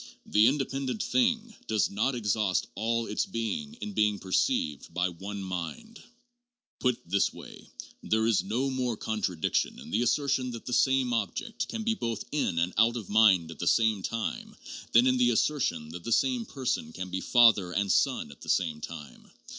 The independent thing does not exhaust all its being in being perceived by one mind. Put this way, there is no more contradiction in the assertion that the same object can be both in and out of the mind at the same time than in the assertion that the same person can be father and son at the same time.